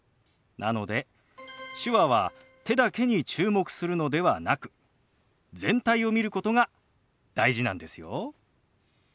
なので手話は手だけに注目するのではなく全体を見ることが大事なんですよ。